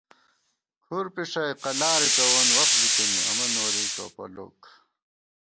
کھُرپݭٹَئی قلارےپېوَن وخت ژتِنی امہ نوری ٹوپَلوک